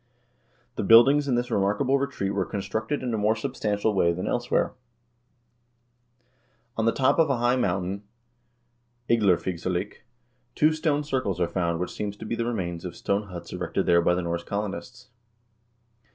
The buildings in this remarkable retreat wyere constructed in a more substantial way than elsewhere. On the top of a high mountain, Igdlerfigsalik, two stone circles are found which seem to be the remains of stone huts erected there by the Norse colonists.